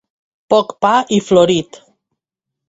Poc pa i florit.